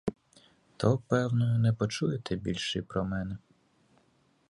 То, певно, не почуєте більш і про мене!